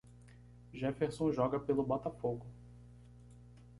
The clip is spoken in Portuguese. Jefferson joga pelo Botafogo.